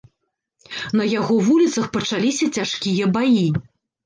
На яго вуліцах пачаліся цяжкія баі.